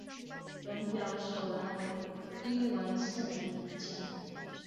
本表首栏为英文圣人名称。